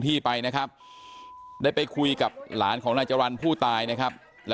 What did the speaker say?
ที่ไปนะครับได้ไปคุยกับหลานของนายจรรย์ผู้ตายนะครับ